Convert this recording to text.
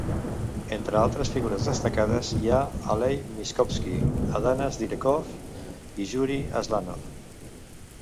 Entre altres figures destacades hi ha Alei Mishkovski, Atanas Direkov i Jurij Aslanov.